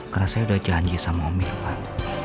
karena saya udah janji sama om irfan